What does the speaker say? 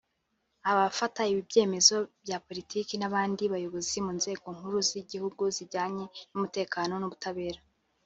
abafata ibyemezo bya Politiki n’abandi bayobozi mu nzego nkuru z’igihugu zijyanye n’umutekano n’ubutabera